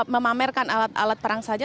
memamerkan alat alat perang saja